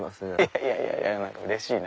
いやいやいや何かうれしいな。